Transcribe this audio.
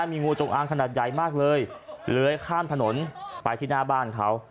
มีงูจงอางขนาดใหญ่มากเลยเลื้อยข้ามถนนไปที่หน้าบ้านเขา